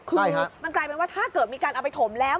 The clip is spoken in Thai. คือมันกลายเป็นว่าถ้าเกิดมีการเอาไปถมแล้ว